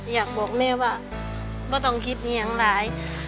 อยากบอกแม่ว่าต้องคิดอย่างร้าย